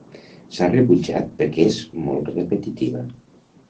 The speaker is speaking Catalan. S'ha rebutjat perquè és molt repetitiva.